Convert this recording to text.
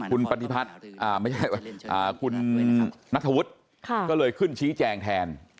คุณปฏิพัฒน์ไม่ใช่คุณนัทธวุฒิก็เลยขึ้นชี้แจงแทน